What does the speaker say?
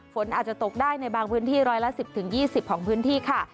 ฝนอาจจะตกได้ในบางพื้นที่ร้อยละ๑๐๒๐ของพื้นที่ค่ะ